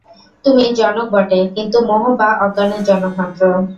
তুমি জনক বটে, কিন্তু মোহ বা অজ্ঞানের জনকমাত্র।